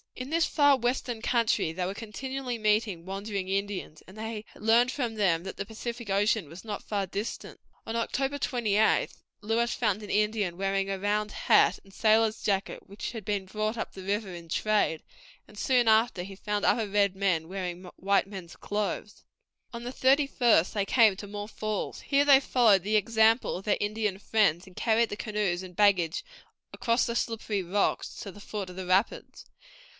In this far western country they were continually meeting wandering Indians, and they learned from them that the Pacific Ocean was not far distant. On October 28th Lewis found an Indian wearing a round hat and sailor's jacket, which had been brought up the river in trade, and soon after he found other red men wearing white men's clothes. On the thirty first they came to more falls. Here they followed the example of their Indian friends, and carried the canoes and baggage across the slippery rocks to the foot of the rapids.